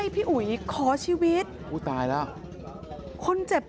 ผู้ตายแล้ว